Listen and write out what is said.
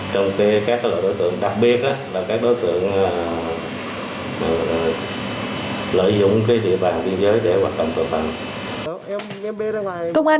trong các đối tượng đặc biệt là các đối tượng lợi dụng địa bàn biên giới để hoạt động tội phạm